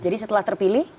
jadi setelah terpilih